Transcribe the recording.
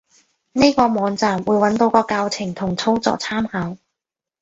呢個網站，會揾到個教程同操作參考